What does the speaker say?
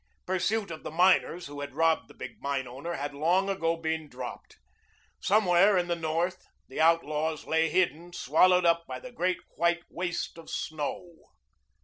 Pursuit of the miners who had robbed the big mine owner had long ago been dropped. Somewhere in the North the outlaws lay hidden, swallowed up by the great white waste of snow.